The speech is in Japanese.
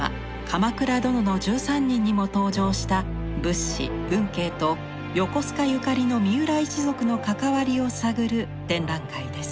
「鎌倉殿の１３人」にも登場した仏師運慶と横須賀ゆかりの三浦一族の関わりを探る展覧会です。